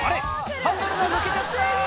ハンドルが抜けちゃった！